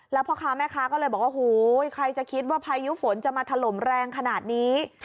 แล้วพ่อค้าแม่ค้าก็เลยบอกว่าโหใครจะคิดว่าพายุฝนจะมาถล่มแรงขนาดนี้